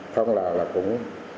thông là cũng